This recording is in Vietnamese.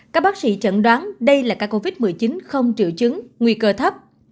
các bác sĩ chẩn đoán đây là ca covid một mươi chín không triệu chứng nguy cơ thấp